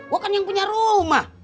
gue kan yang punya rumah